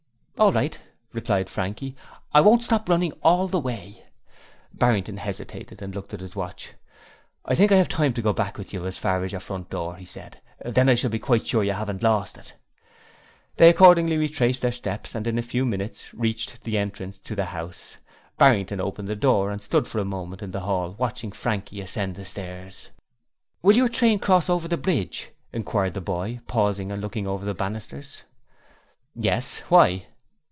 'All right,' replied Frankie. 'I won't stop running all the way.' Barrington hesitated and looked at his watch. 'I think I have time to go back with you as far as your front door,' he said, 'then I shall be quite sure you haven't lost it.' They accordingly retraced their steps and in a few minutes reached the entrance to the house. Barrington opened the door and stood for a moment in the hall watching Frankie ascend the stairs. 'Will your train cross over the bridge?' inquired the boy, pausing and looking over the banisters. 'Yes. Why?'